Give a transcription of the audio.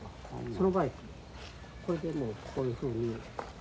その場合これでもうこういうふうに。